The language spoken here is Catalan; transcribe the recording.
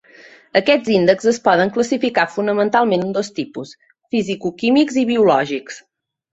Aquests índexs es poden classificar fonamentalment en dos tipus: fisicoquímics i biològics.